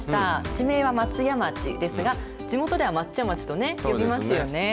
地名は松屋町ですが、地元ではまっちゃまちと呼びますよね。